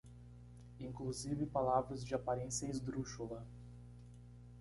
inclusive palavras de aparência esdrúxula